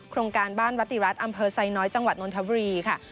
โครงการบ้านวติรัฐอำเภอไซน้อยจังหวัดนทบุรีค่ะ